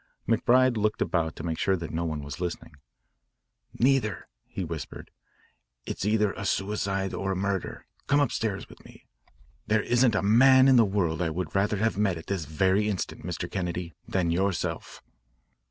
McBride looked about to make sure that no one was listening. "Neither," he whispered. "It's either a suicide or a murder. Come upstairs with me. There isn't a man in the world I would rather have met at this very instant, Mr. Kennedy, than yourself."